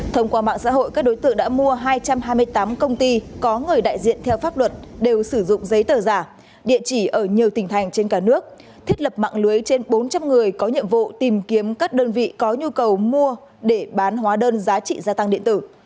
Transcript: thông qua mạng xã hội các đối tượng đã mua hai trăm hai mươi tám công ty có người đại diện theo pháp luật đều sử dụng giấy tờ giả địa chỉ ở nhiều tỉnh thành trên cả nước thiết lập mạng lưới trên bốn trăm linh người có nhiệm vụ tìm kiếm các đơn vị có nhu cầu mua để bán hóa đơn giá trị gia tăng điện tử